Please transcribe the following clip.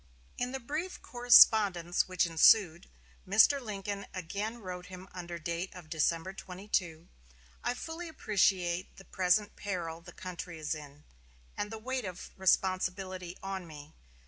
In the brief correspondence which ensued, Mr. Lincoln again wrote him under date of December 22: "I fully appreciate the present peril the country is in, and the weight of responsibility on me.